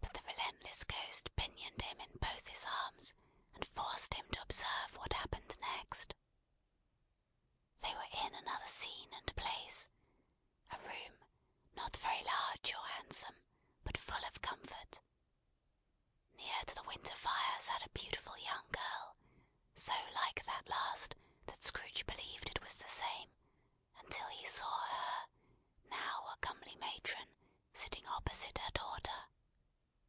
But the relentless Ghost pinioned him in both his arms, and forced him to observe what happened next. They were in another scene and place; a room, not very large or handsome, but full of comfort. Near to the winter fire sat a beautiful young girl, so like that last that Scrooge believed it was the same, until he saw her, now a comely matron, sitting opposite her daughter.